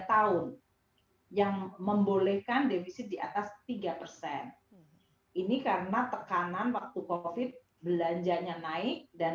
tahun yang membolehkan defisit di atas tiga persen ini karena tekanan waktu kofit belanjanya naik dan